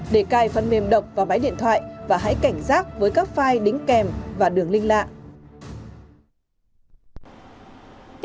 để cài phần mềm độc và máy điện thoại và hãy cảnh giác với các file đính kèm và đường linh lạ